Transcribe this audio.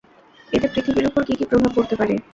এতে পৃথিবীর উপর কী কী প্রভাব পড়তে পারে?